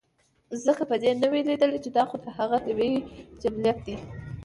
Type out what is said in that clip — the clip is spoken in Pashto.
ځکه به دې نۀ وي ليدلے چې دا خو د هغه طبعي جبلت دے